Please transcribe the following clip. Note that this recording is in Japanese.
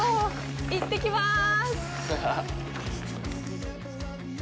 行ってきます。